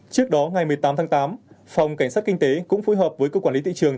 trước đó ngày một mươi tám tháng tám phòng cảnh sát kinh tế cũng phù hợp với công quản lý tị trường